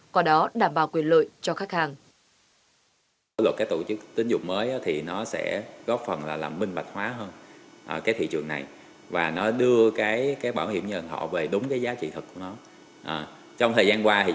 có đó đảm bảo quyền lợi cho khách hàng